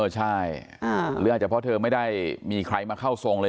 ใช่หรืออาจจะเพราะเธอไม่ได้มีใครมาเข้าทรงเลย